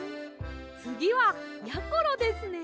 つぎはやころですね。